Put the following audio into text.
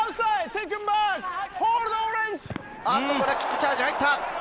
これはキックチャージが入った！